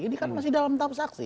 ini kan masih dalam tahap saksi